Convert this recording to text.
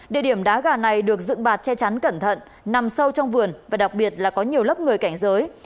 địa điểm đá gà này được dựng bạt che chắn cẩn thận nằm sâu trong vườn và đặc biệt là có nhiều lớp người cảnh giới